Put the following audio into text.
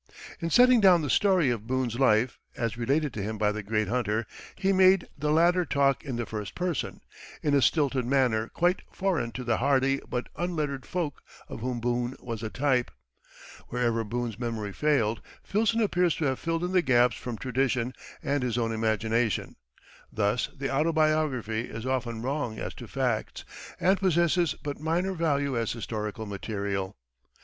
In setting down the story of Boone's life, as related to him by the great hunter, he made the latter talk in the first person, in a stilted manner quite foreign to the hardy but unlettered folk of whom Boone was a type. Wherever Boone's memory failed, Filson appears to have filled in the gaps from tradition and his own imagination; thus the autobiography is often wrong as to facts, and possesses but minor value as historical material.